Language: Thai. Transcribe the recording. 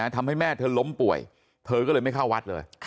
ทำให้แม่เธอล้มป่วยเธอก็เลยไม่เข้าวัดเลย